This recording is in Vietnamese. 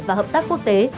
và hợp tác quốc tế